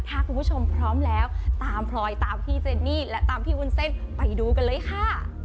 ถ้าคุณผู้ชมพร้อมแล้วตามพลอยตามพี่เจนนี่และตามพี่วุ้นเส้นไปดูกันเลยค่ะ